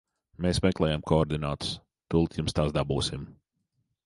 Mēs meklējam koordinātas, tūlīt jums tās dabūsim.